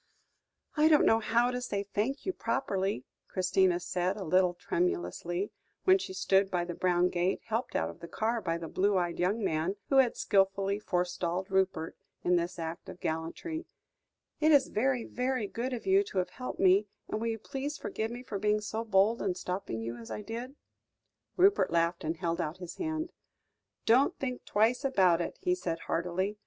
"I don't know how to say thank you properly," Christina said a little tremulously, when she stood by the brown gate, helped out of the car by the blue eyed young man, who had skilfully forestalled Rupert in this act of gallantry; "it is very, very good of you to have helped me, and will you please forgive me for being so bold and stopping you as I did?" Rupert laughed and held out his hand. "Don't think twice about it," he said heartily.